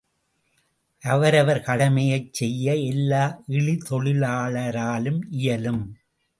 அவரவர் கடமையைச் செய்ய எல்லா இழிதொழிலாளாராலும் இயலும்.